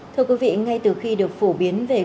thưa quý vị ngay từ khi được phổ biến về